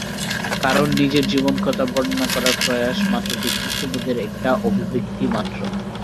কারণ নিজের জীবনকথা বর্ণনা করার প্রয়াস ব্যক্তিত্ববোধের একটা অভিব্যক্তি মাত্র।